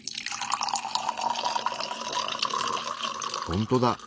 ほんとだ。